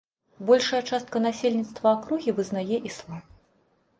Большая частка насельніцтва акругі вызнае іслам.